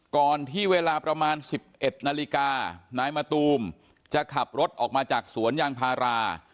ก่อนที่เวลาประมาณ๑๑นาฬิกานายมะตูมจะขับรถออกมาจากสวนยางพารา